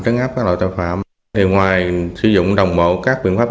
chấn áp các loại tội phạm ngoài sử dụng đồng bộ các biện pháp